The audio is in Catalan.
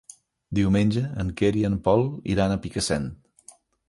Diumenge en Quer i en Pol iran a Picassent.